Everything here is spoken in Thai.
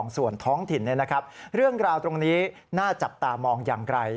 ส่วนท้องถิ่นเรื่องราวตรงนี้น่าจับตามองอย่างไร